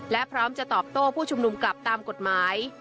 และพร้อมจะตอบโต้ผู้ชุมนุมกลับตามกฎหมาย